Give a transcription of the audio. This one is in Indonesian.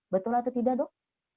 betul atau tidak dok